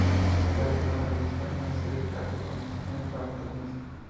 Le ha dejado ""La Lista"", una serie de cartas con instrucciones para cada mes.